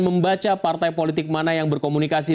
membaca partai politik mana yang berkomunikasi